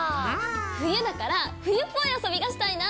冬だから冬っぽい遊びがしたいな。